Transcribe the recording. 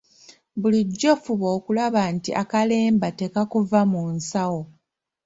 Bulijjo fuba okulaba nti akalemba tekakuva mu nsawo.